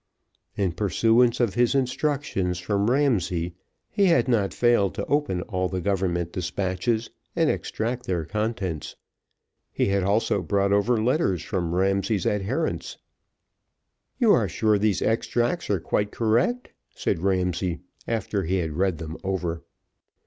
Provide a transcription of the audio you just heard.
In pursuance of his instructions from Ramsay, he had not failed to open all the government despatches, and extract their contents. He had also brought over letters from Ramsay's adherents. "You are sure these extracts are quite correct?" said Ramsay, after he had read them over.